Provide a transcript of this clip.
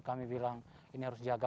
kami bilang ini harus jaga